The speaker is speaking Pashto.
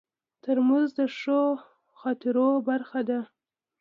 ترموز د ښو خاطرو برخه ده.